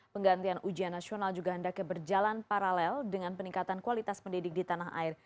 penggantian ujian nasional juga hendaknya berjalan paralel dengan peningkatan kualitas pendidik di tanah air